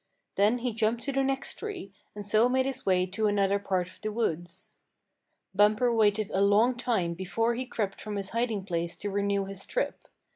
Then he jumped to the next tree, and so made his way to another part of the woods. Bumper waited a long time before he crept from his hiding place to renew his trip.